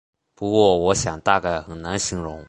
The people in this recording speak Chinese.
不过我想大概很难形容